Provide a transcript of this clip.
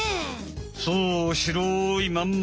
そうしろいまんま